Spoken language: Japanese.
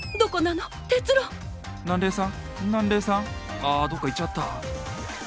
あどっか行っちゃった。